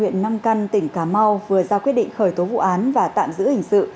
huyện nam căn tỉnh cà mau vừa ra quyết định khởi tố vụ án và tạm giữ hình sự